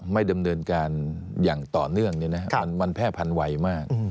ไม่ดำเนินการอย่างต่อเนื่องเนี่ยนะครับมันแพร่พันวัยมาก